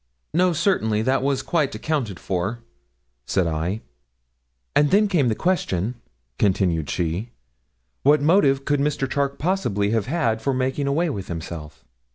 'No, certainly; that was quite accounted for,' said I. 'And then came the question,' continued she, 'what motive could Mr. Charke possibly have had for making away with himself.'